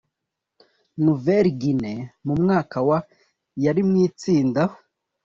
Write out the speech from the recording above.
nouvelle guinee mu mwaka wa yari mu itsinda